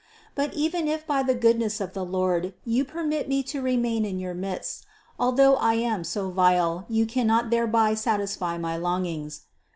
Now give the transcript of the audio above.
But even if by the goodness of the Lord you permit me to remain in your midst, although I am so vile, you cannot thereby satisfy my longings.